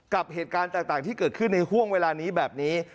กับเหตุการณ์ต่างที่เกิดขึ้นในห่วงเวลานี้แบบนี้